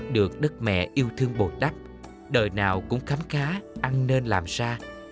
được đất mẹ yêu thương bồi đắp đời nào cũng khắm khá ăn nên làm xa